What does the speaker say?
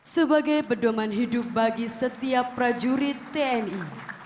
sebagai pedoman hidup bagi setiap prajurit tni